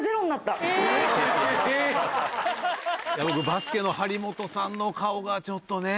バスケの張本さんの顔がちょっとね。